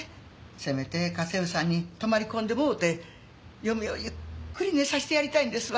せめて家政婦さんに泊まり込んでもろて嫁をゆっくり寝させてやりたいんですわ。